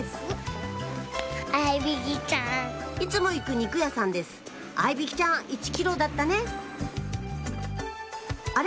あいびきちゃん１ｋｇだったねあれ？